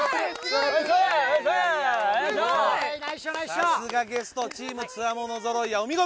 さすがゲストチームつわものぞろいお見事！